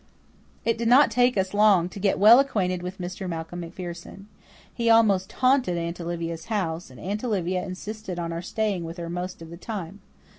It did not take us long to get well acquainted with Mr. Malcolm MacPherson. He almost haunted Aunt Olivia's house, and Aunt Olivia insisted on our staying with her most of the time.